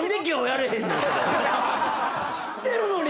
知ってるのに。